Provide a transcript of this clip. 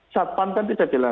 satpam kan tadi nyatakan